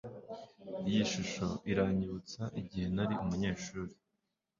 Iyi shusho iranyibutsa igihe nari umunyeshuri